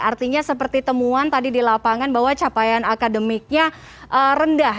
artinya seperti temuan tadi di lapangan bahwa capaian akademiknya rendah